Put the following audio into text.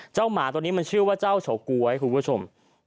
หมาตัวนี้มันชื่อว่าเจ้าเฉาก๊วยคุณผู้ชม